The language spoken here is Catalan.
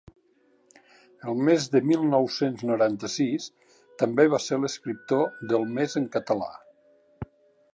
El mes del mil nou-cents noranta-sis també va ser l’escriptor del mes en català.